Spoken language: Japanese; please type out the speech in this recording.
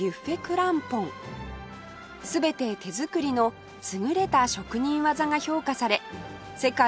全て手作りの優れた職人技が評価され世界